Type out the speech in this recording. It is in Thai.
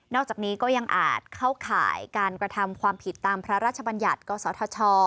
อกจากนี้ก็ยังอาจเข้าข่ายการกระทำความผิดตามพระราชบัญญัติกศธช